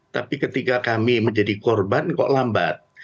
tapi ketika kami menjadi korban kok lambat